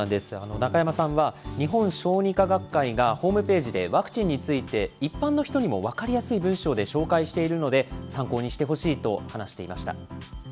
中山さんは、日本小児科学会がホームページでワクチンについて、一般の人にも分かりやすい文章で紹介しているので、参考にしてほしいと話していました。